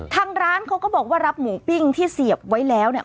ทางร้านเขาก็บอกว่ารับหมูปิ้งที่เสียบไว้แล้วเนี่ย